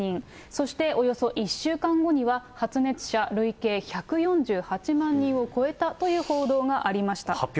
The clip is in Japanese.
そしておよそ１週間後には発熱者累計１４８万人を超えたという報道がありました。